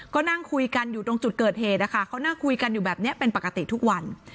ก็นั่งคุยกันอยู่ตรงจุดเกิดเหตุนะคะเขานั่งคุยกันอยู่แบบนี้เป็นปกติทุกวัน